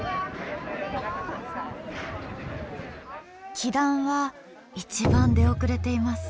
輝団は一番出遅れています。